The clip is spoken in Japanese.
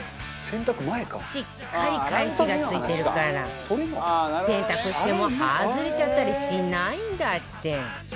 しっかり返しが付いてるから洗濯しても外れちゃったりしないんだって